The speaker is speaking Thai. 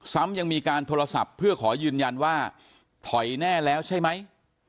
ซ้ำยังมีการโทรศัพท์เพื่อขอยืนยันว่าถอยแน่แล้วใช่ไหม